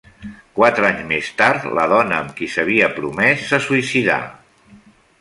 Quatre anys més tard, la dona amb qui s'havia promès se suïcidà.